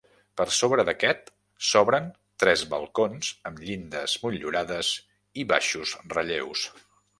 Per sobre d'aquest s'obren tres balcons amb llindes motllurades i baixos relleus.